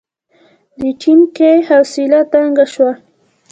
د ټيټکي حوصله تنګه شوه.